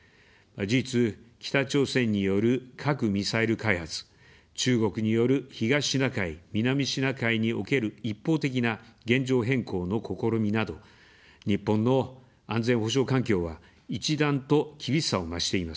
事実、北朝鮮による核・ミサイル開発、中国による東シナ海・南シナ海における一方的な現状変更の試みなど、日本の安全保障環境は、一段と厳しさを増しています。